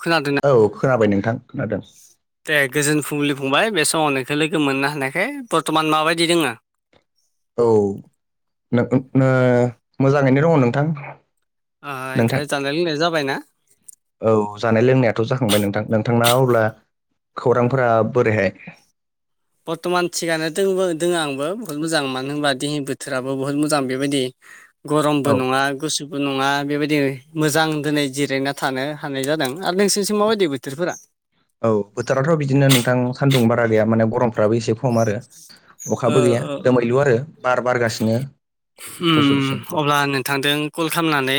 खोनादों ना? औ खोनाबाय नोंथां खोनादों। दे गोजोन फुंलि फंबाय बे समाव नोंखौ लोगो मोननो हानायखाय बर्थमान माबायदि दोङो? औ नों नो मोजाङैनो दङ नोंथां नोंथां ओमफ्राय जानाय लोंनाय जाबाय ना? औ जानाय लोंनायाथ' जाखांबाय नोंथां नोंथां अब्ला खौरांफोरा बोरैहाय? बर्थ'मान थिगानो दबो दोङो आंबो बुहुत मोजां मानो होनबा दिेहि बोथोराबो बुहुत मोजां बेबायदि। गरमबो औ नङा गुसु नङा बेबायदि मोजां दिनै जिरायना थानो हानाय जादों आरो नोंसोरनिसो माबायदि बोथोरफोरा? औ बोथोराथ' बिदिनो नोंथां सान्दुं बारा गैया माने गरमफ्राबो एसे खम आरो ओ अखाबो गैया ओ दोमैलु आरो बार बारगासिनो। गुसु ओम गुसु औ अब्ला नोंथांदों। कल खालामनानै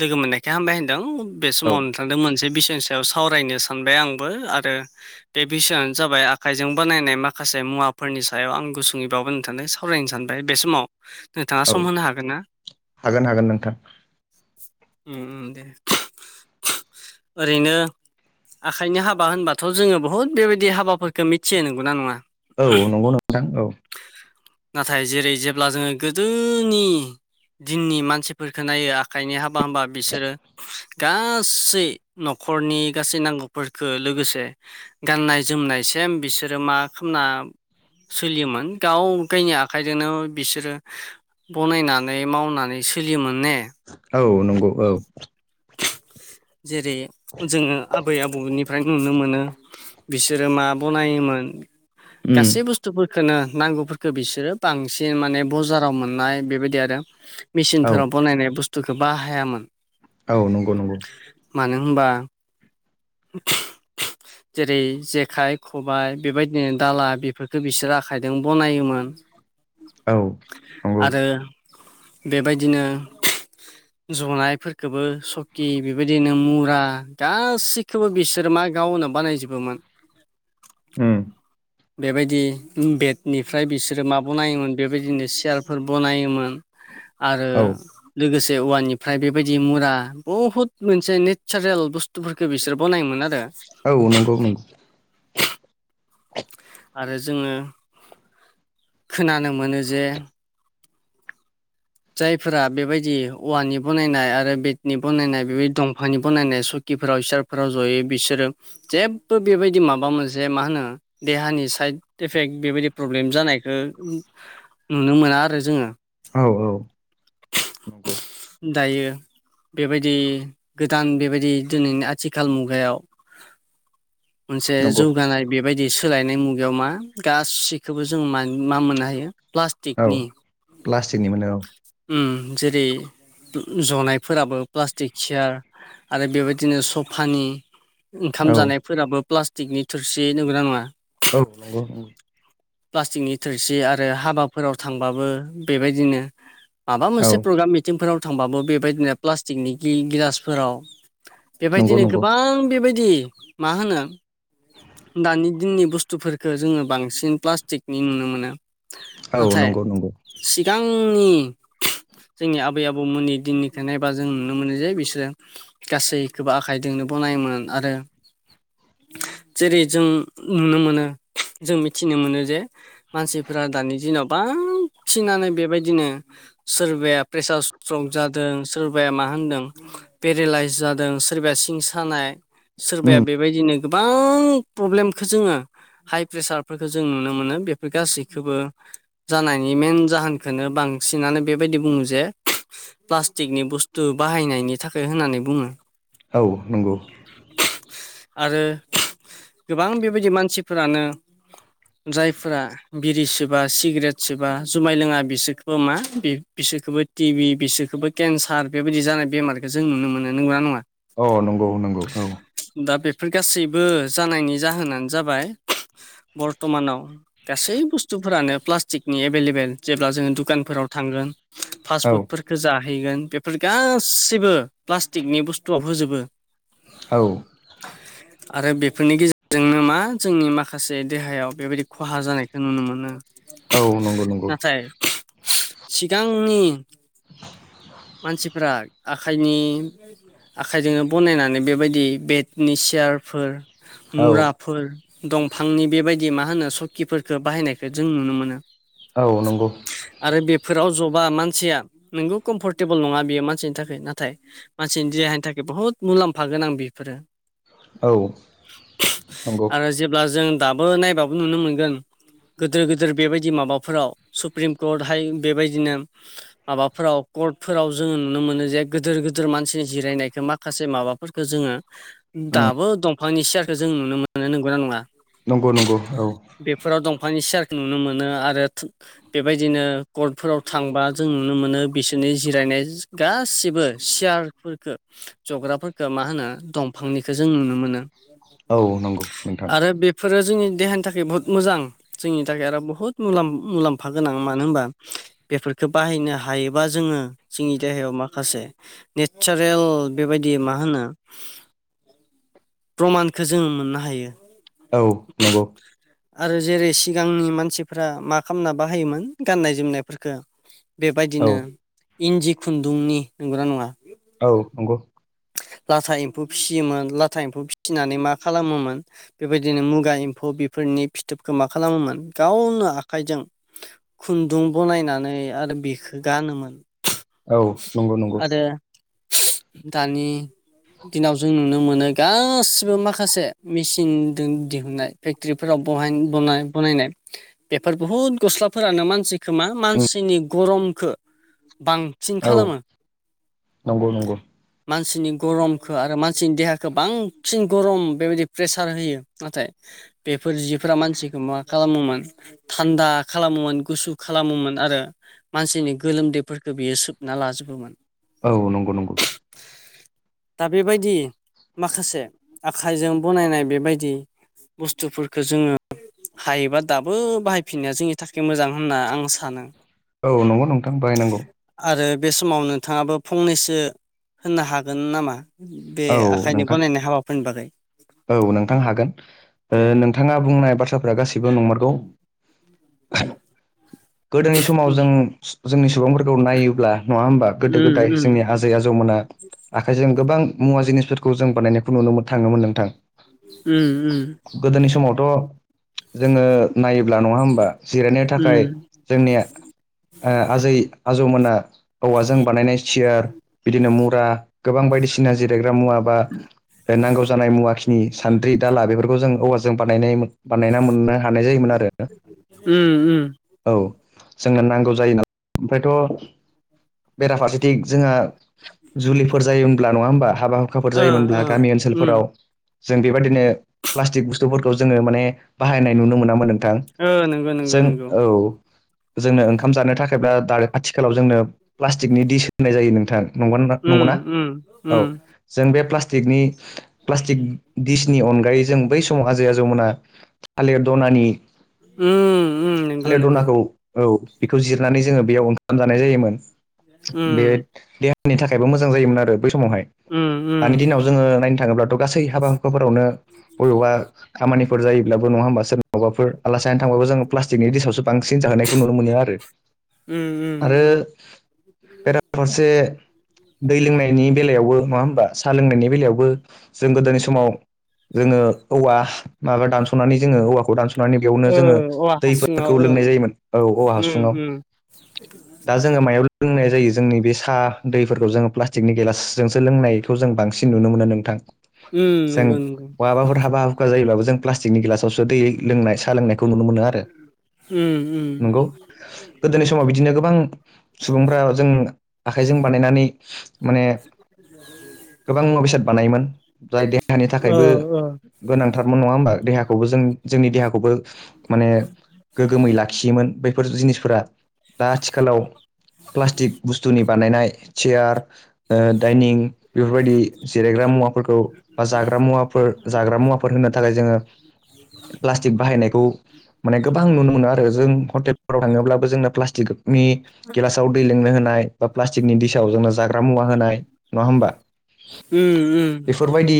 लोगो मोननायखाय हामबाय होनदों बे औ समाव थांदों मोनसे बिसयनि सायाव सावरायनो सानबाय आंबो आरो बे बिसयनो जाबाय आखाइजों बानायनाय माखासे मुवाफोरनि सायाव आं गुसुङै बावोन नोंथां सावरायनो सानबाय बे समाव नोंथाङा औ सम होनो हागोन ना? हागोन हागोन नोंथां ओम दे ओरैनो आखाइनि हाबा होनबाथ' जोङो बुहुद बेबायदि हाबाफोरफोरखौ मिथियो नंगौना नङा? औ नंगौ नोंथां औ। नाथाय जेरै जेब्ला जोङो गोदोनि दिननि मानसिफोरफोरखौ नायो। आखाइनि हाबा हामबा बिसोरो गासै न'खरनि गासै नांगौफोरखो लोगोसे गाननाय जोमनायसिम बिसोरो मा खालामना सोलियोमोन गाव गावनि आखाइजोंनो बिसोरो बनायनानै मावनानै सोलियोमोन ने औ नंगौ औ जेरै जोङो आबै आबौनिफ्राय नुनो मोनो। बिसोरो मा बनायोमोन उम गासै बुस थुरफोरखौनो नांगौफोरखौ बिसोरो बांसिन माने बजाराव मोननाय बेबायदि आरो औ मेसिनफोराव बनायनाय बुस्थुखौ बाहायामोन। औ नंगौ नंगौ। मानो होनबा जेरै जेखाइ, खबाय बेबायदिनो दाला बेफोरखौ बिसोरो आखाइजों बनायोमोन। औ नंगौ आरो बेबायदिनो जनायफोरखौबो स दि बेबायदिनो मुरा गासिखौबो बिसोरो मा गावनो बानायजोबोमोन। ओं बेबायदि बेडनिफ्राय बिसोरो मा बनायोमोन बेबायदिनो चियारफोर बनायोमोन। आरो औ लोगोसे औवानिफ्राय बेबायदि मुरा बहुद मोनसे नेचारेल बुस्थुफोरखौ बिसोर बनायोमोन आरो औ नंगौ नों [inaudible] आरो जोङो खोनानो मोनो जे जायफोरा बेबायदि औवानि बानायनाय आरो बेडनि बानायनाय बेबायदि दंफांनि बानायनाय स बाखिफोराव इसारफोराव जयै बिसोरो जेबो बेबायदि माबा मोनसे मा होनो देहानि साइड इफेक बेबायदि प्रब्लेम जानायखौ नुनो मोना आरो जोङो। औ औ नंगौ। दायो बेबायदि गोदान बेबायदि दिनैनि आथिखाल मुगायाव मोनसे नंगौ जौगानाय बेबायदि सोलायनाय मुगायाव मा गासिखौबो जों मा मोननो हायो औ प्लास्टिकनि प्लास्टिकनि मोनो औ। जेरै जनायफोराबो प्लास्टिक सियार आरो बेबायदिनो सफानि ओंखाम औ जानायफोराबो प्लास्टिकनि थोरसि नंगौना नङा? औ नंगौ। प्लास्टिकनि थोरसि आरो हाबाफोराव थांबाबो बेबायदिनो माबा औ मोनसे प्रग्राम मिथिंफोराव थांबाबो बेबायदिनो प्लास्टिकनि गिलासफोराव नंगौ बेबायदिनो नंगौ गोबां बेबायदि मा होनो दानि दिननि बुस्थुफोरखौ जोङो बांसिन प्लास्टिकनि नुनो मोनो। औ नाथाय नंगौ नंगौ सिगांनि जोंनि आबै आबौमोननि दिननिखौ नायबा जों नुनो मोनो जे बिसोरो गासैखौबो आखाइजोंनो बनायोमोन आरो जेरै जों नुनो मोनो जों मिथिनो मोनो जे मानसिफोरा दानि दिनाव बांसिनानो बेबायदिनो सोरबाया प्रेसार स्ट्रिक जादों सोरबाया मा होनदों पेरेलाइस जादों सोरबाया सिं सानाय सोरबाया उम बेबायदिनो गोबां प्रब्लेमखौ जोङो हाइ प्रेसारफोरखौ जों नुनो मोनो बेफोर गासैखौबो जानायनि मेन जाहोनखौनो बांसिनानो बेबायदि बुङो जे प्लास्टिकनि बुस्थु बाहायनायनि थाखाय होननानै बुङो। औ नंगौ। आरो गोबां बेबायदि मानसिफोरानो जायफोरा बिरि सोबा सिगारेट सोबा जुमाय लोङा बिसोरखौ मा बे बिसोरखौबो टिभि बिसोरखौबो केन्सार बेबायदि जानाय बेमारखौ जों नुनो मोनो, नंगौना नङा? अ नंगौ नंगौ औ। दा बेफोर गासैबो जानायनि जाहोनानो जाबाय बर्थमानाव गासै बुस्थुफोरानो प्लास्टिकनि एभेलेबेल जेब्ला जोङो दुखानफोराव थांगोन फास्ट औ फुडफोरख जाहैगोन बेफोर गासैबो प्लास्टिकनि बुस्थुआव होजोबो। औ। [inaudible] आरो बेफोरनि गेजेरजोंनो मा जोंनि माखासे देहायाव बेबायदि खहा जानायखौ नुनो मोनो। औ नंगौ नंगौ। दा आंनि मानसिफ्रा आखाइनि आखाइजोंनो बनायनानै बेबायदि बेडनि सियारफोर औ मुरा फोर दंफांनि बेबायदि मा होनो सकिफोरखौ बाहायनायखौ जों नुनो मोनो। औ नंगौ। आरो बेफोराव जबा मानसिया नोंगौ कम्फर्टेबोल नङा बियो मानसिनि थाखाय नाथाय मानसिनि देहानि थाखाय बुहुत मुलाम्फा गोनांं बेफोरो। औ नंगौ आरो जेब्ला जों दाबो नायबाबो नुनो मोनगोन गिदोर गिदोर बेबायदि माबाफोराव सुप्रिम कर्टहाय बेबायदिनो माबाफोराव कर्टफोराव जोङो नुनो मोनो जे गिदोर गिदोर मानसिनि जिरायनायखौ माखासे माबाफोरफोरखौ जोङो उम दाबो दंफांनि सियारखौ जों नुनो मोनो नंगौना नङा? नंगौ नंगौ औ। फोराव दंफांनि सियारखौ नुनो मोनो आरो बेबायदिनो कर्टफोराव थांबा जों नुनो मोनो बिसोरनि जिरायनाय गासिबो सियारफोरखौ जग्राफोरखौ मा होनो दंफांनिखौ जों नुनो मोनो। औ नंगौ नोंथां। आरो बेफोरो जोंनि देहानि थाखाय बहुद मोजां। जोंनि थाखाय आरो बुहुत मुलाम मुलाम्फा गोनां मानो होनबा बेफोरखौ बाहायनो हायो बा जोङो जोंनि देहायाव माखासे नेचारेल बेबायदि मा होनो प्रमानखौ जोङो मोननो हायो। औ नंगौ। आरो जेरै सिगांनि मानसिफ्रा मा खालामना बाहायोमोन गाननाय जोमनायफोरखौ औ बेबायदिनो इन्दि खुन्दुंनि नंगौना नङा? औ नंगौ। लाथा एम्फौ फिसियोमोन। लाथा एम्फौ फिथिनानै मा खालामोमोन बेबायदिनो मुगा एम्फौ बेफोरनि फिथोबखौ मा खालामोमोन गावनो आखाइजों खुन्दुं बनायनानै आरो बेखौ गानोमोन औ नंगौ नंगौ आरो दानि दिनाव जों नुनो मोनो गासिबो माखासे मेसिनजों दिहुननाय फे ट्रिफोराव बहाइन बनाय बनायनाय बेफोर बुहुत गस्लाफोरानो मानसिखो मा मानसिनि गरमखौ बां सिन औ खालामो। नंगौ नंगौ मानसिनि गरमखौ आरो मानसिनि देहाखौ बांसिन गरम बेबायदि प्रेसार होयो नाथाय बेफोर जिफोरा मानसिखौ मा खालामोमोन थान्दा खालामोमोन गुसु खालामोमोन आरो मानसिनि गोलोमदैफोरखौ बियो सोबना लाजोबोमोन। औ नंगौ नंगौ। दा बेबायदि माखासे आखाइजों बनायनाय बेबायदि बुस्थुफोरखौ जोङो। हायोबा दाबो बाहायफिननाया जोंनि थाखाय मोजां होनना आं सानो। औ नंगौ नोंथां। बाहायनांगौ। आरो बे समाव नोंथाङाबो फंनैसो होननो हागोन नामा। बे औ आखाइनि नोंथां बनायनाय हाबाफोरनि बागै। औ नोंथां हागोन। ओ नोंथाङा बुंनाय बाथ्राफ्रा गासैबो नंमारगौ। गोदोनि समाव जों जोंनि सुबुंफोरखौ नायोब्ला नङा होमबा गोदो गोदाय जोंनि हाजो। आजै आजौमोना आखाइजों गोबां मुवा जिनिसफोरखौ जों बानायनायखौ नुनो थाङोमोन नोंथां। उम उम। गोदोनि समावथ' जोङो नायोब्ला नङा होमबा जिरायनो थाखाय। जोंनि ओ आजै आजौमोना। औवाजों बानायनाय सियार बिदिनो मुरा गोबां बायदिसिना जिरायग्रा मुवा। बा ओ नांगौ जानाय मुआ [unintelligible] सानद्रि दाला बेफोरखौ जों औवाजों बानाय बानायना मोननो हानाय जायोमोन आरो उम उम। औ जोंनो नांगौ जायो नालाय ओमफ्रायथ' [inaudible] बेराफारसेथि जोंहा जुलिफोर जायोमब्ला नङा होमबा हाबा [unintelligible] जायोमोनब्ला ओ गामि उम ओनसोलफोराव जों बेबायदिनो प्लास्टिक बुस्थुफोरखौ जोङो माने बाहायनाय नुनो मोनामोन। ओ [unintelligible] नंगौ नंगौ जों नंगौ औ जोंनो ओंखाम जानो थाखाय खायबा द आथिखालाव जोंनो प्लास्टिकनि दिडिस होननाय जायो नोंथां। उम नंगौना? उम औ उम। जों बे प्लास्टिकनि प्लास्टिक दिसनि अनगायै जों बै समाव आजै आजौमोनना थालिर दनानि उम उम नंगौ थालिर नंगौ दनाखौ औ बेखौ जिरनानै जोङो बेयाव ओंखाम जानाय जायोमोन। बे उम [unintelligible] थाखायबो मोजां जायोमोन आरो बै समावहाय उम दानि उम दिनाव जोङो नायनो थाङोब्लाथ' गासै हाबा। [unintelligible] बबेबा खामानिफोर जायोब्लाबो नङा होनबा सोर [unintelligible] ओबावबाफोर आलासि जानो थांबाबो जोङो प्लास्टिकनि दिस आवसो बांसिन जाहोनायखौ नुनो मोनो आरो। उम उम आरो बेराफारसे दै लोंनायनि बेलायावबो नङा होमबा साहा लोंनायनि बेलायावबो जों गोदोनि समाव जोङो औवा माबा दानस'नानै जोङो औवाखौ दानस' माने बेयावनो ओ जोङो औवा हासुङाव दैफोरखौ ओं लोंनाय जायोमोन। औ औवा उम हासुुंआव [unintelligible] दा जोङो मायाव लोंनाय जायो। जोंनि बे साहा दैफोरखौ जोङो प्लास्टिकनि गेलासजोंसो लोंनाय खौ जों बांसिन नुनो मोनो नोंथां। उम नांगौ जों नोंथां। बहाबाफोर हाबा हुखा जायोब्लाबो जों प्लास्टिकनि गिलासावसो दैयै लोंनाय साह लोंनायखौ नुनो मोनो आरो। उम उम। नंगौ गोदोनि समाव बिदिनो गोबां सुबुंफ्रा जों आखाइजों बानायनानै माने गोबां मुवा बेसाद बानायोमोन। जायनि ओ थाखायबो ओ गोनांथारमोन नङा होबा देहा जोंनि देहाखौबो माने गोगोमै लाखिनोयोमोन बे बेफोर जिनिसफोरा दा आथिखालाव प्लास्टिक बुस्थुनि बानायनाय चयार दाइनिं बेफोरबायदि जिरायग्रा मुवाफोरखौ। बा जाग्रा मुवाफोर जाग्रा मुवाफोर होननो थाखाय जोङो प्लास्टिक बाहायनायखौ माने गोबां नुनो मोनो आरो जों हटेलफोराव थाङोब्लाबो जोंनो प्लास्टिकनि गिलासाव दै लोंनो होनाय बा प्लास्टिकनि दिसाव जोंनो जाग्रा मुवा होनाय नङा होमबा उम उम बेफोरबायदि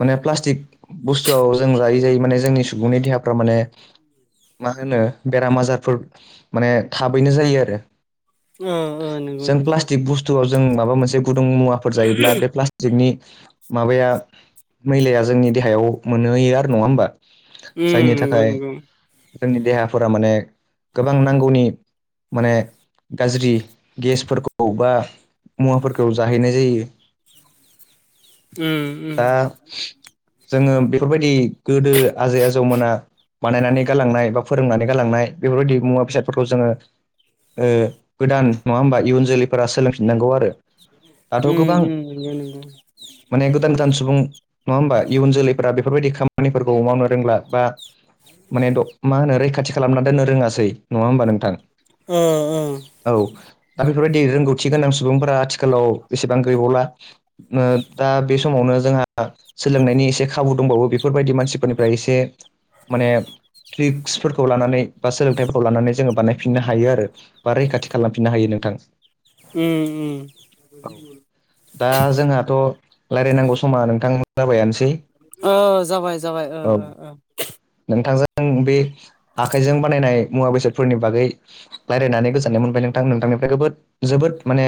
माने प्लास्टिक बुस्थुआव जों जायै जायै माने जोंनि सुबुंनि देहाफ्रा माने मा होनो बेराम आजारफोर माने थाबैनो जायो आरो ओ ओ नंगौ नंगौ टिक बुस्थुव जों माबा मोनसे गुदुं मुवाफोर जायोब्ला बे प्लास्टिकनि माबाया मैलाया जोंनि देहायाव मोनहैयो आरो नङा होमबा उम जायनि नंगौ थाखाय नंगौ जोंनि देहाफोरा माने गोबां नांगौनि माने गाज्रि गेसफोरखौ बा मुवाफोरखौ जाहैनाय जायो। उम उम दा जोङो बेफोरबायदि गोदो आजै आजौमोना बानायनानै गालांनाय बा फोरोंनानै गालांनाय बेफोरबायदि मुवा बेसादफोरखौ जोङो ओ गोदान नङा होमबा इयुन जोलैफोरा सोलोंफिननांगौ आरो दाथ' उम गोबां उम नंगौ नंगौ माने गोदान गोदान सुबुं नङा होमबा इयुन जोलैफोरा बेफोरबायदि खाम खामानिफोरखौ मावनो रोंला बा माने द मा होनो रैखाथि खालामना दोननो रोङासै नङा होमबा नोंथां। ओ ओ औ दा बेफोरबायदि रोंगौथि गोनां सुबुंफोरा आथिखालाव एसेबां गैबावला ओ दा बे समावनो जोंहा सोलोंनायनि एसे खाबु दंबावो बेफोरबायदि मानसिफोरनिफ्राय एसे माने ट्रिक्सफोरखौ लानानै बा सोलोंथाइफोरखौ लानानै जोङो बानायफिननो हायो आरो बा रैखाथि खालामफिननो हायो नोंथां। उम उम औ दा जोंहाथ' लायरायनांगौ समा नोंथां जाबायानोसै ओ जाबाय जाबाय ओ औ ओ ओ नोंथांजों बे आखाइजों बानायनाय मुवा बेसादफोरनि बागै लायरायनानै गोजोननाय मोनबाय नोंथां नोंथांनिफ्रायद गोबोद जोबोद माने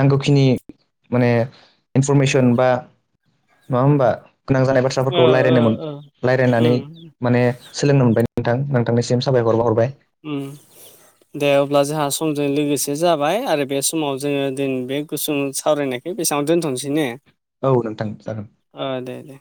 नांगौखिनि माने फरमेसन बा नंङा होमबा गोनां जानाय ओ बाथ्राफोरखौ ओ लायरायनो मोन ओ ओ लायरायनानै उम माने सोलोंनो मोनबाय नोंथां नोंथांनिसिम साबायखर बावहरबाय। उम दे अब्ला जोंहा समजों लोगोसे जाबाय आरो बे समाव जोङो दिनैनि बे गुसुं सावरायनाय बेसाङावनो दोनथनोसै ने औ नोंथां जागोन ओ दे दे